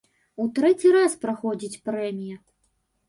У трэці раз праходзіць прэмія.